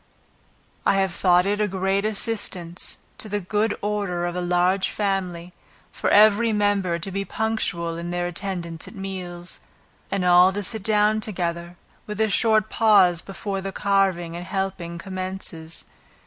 I have thought it a great assistance to the good order of a large family, for every member to be punctual in their attendance at meals, and all to sit down together, with a short pause before the carving and helping commences.